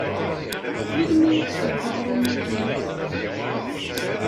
Melmi i d-tuɣeḍ aɣrum-agi?